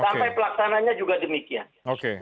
sampai pelaksananya juga demikian